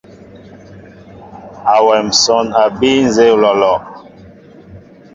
Awem nsón a bii nzeé olɔlɔ.